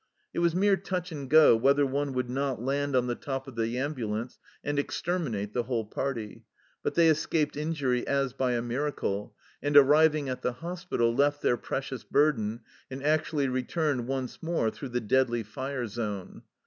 It was mere touch and go whether one would not land on the top of the ambulance and exter minate the whole party, but they escaped injury as by a miracle, and arriving at the hospital, left their precious burden and actually returned once more through the deadly fire zone.